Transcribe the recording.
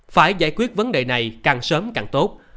phải giải quyết vấn đề này càng sớm càng tốt